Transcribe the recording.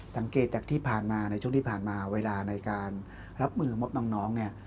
จากที่ผ่านมาในช่วงที่ผ่านมาเวลาในการรับมือมอบน้องเนี่ย